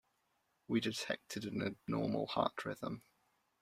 We detected an abnormal heart rhythm.